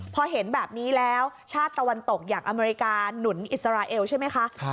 พอเห็นแบบนี้แล้วชาติตะวันตกอย่างอเมริกาหนุนอิสราเอลใช่ไหมคะ